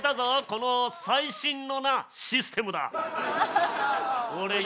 この最新のなシステムだ。